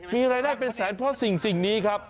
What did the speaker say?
มีรายได้เป็นแสนเพราะสิ่งนี้ครับ